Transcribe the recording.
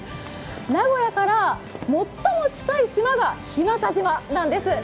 名古屋から最も近い島が日間賀島なんです。